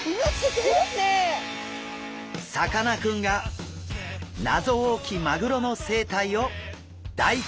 さかなクンが謎多きマグロの生態を大調査！